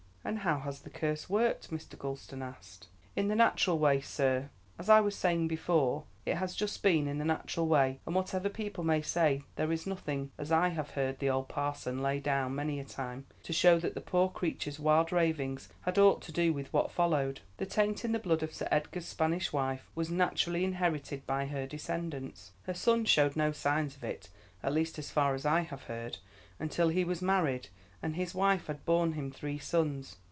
"And how has the curse worked?" Mr. Gulston asked. "In the natural way, sir. As I was saying before it has just been in the natural way, and whatever people may say, there is nothing, as I have heard the old parson lay down many a time, to show that that poor creature's wild ravings had aught to do with what followed. The taint in the blood of Sir Edgar's Spanish wife was naturally inherited by her descendants. Her son showed no signs of it, at least as far as I have heard, until he was married and his wife had borne him three sons.